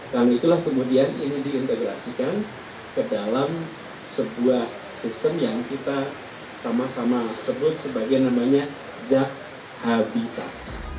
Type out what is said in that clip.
karena itulah kemudian ini diintegrasikan ke dalam sebuah sistem yang kita sama sama sebut sebagai namanya jak habitat